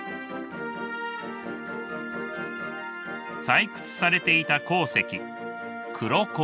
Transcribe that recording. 採掘されていた鉱石黒鉱です。